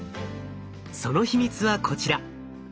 その秘密はこちら。